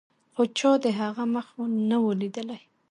خو چا د هغه مخ نه و لیدلی.